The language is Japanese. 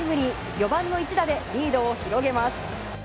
４番の一打でリードを広げます。